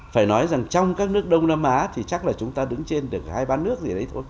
phải nói rằng trong các nước đông nam á thì chắc là chúng ta đứng trên được hai ba nước gì đấy thôi